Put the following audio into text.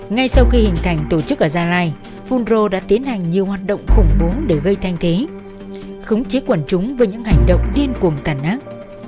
ngay sau khi hình thành tổ chức ở gia lai fungro đã tiến hành nhiều hoạt động khủng bố để gây thanh thế khống chiếc quần chúng với những hành động điên cuồng tàn ác